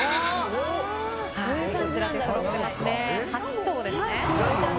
８頭ですね。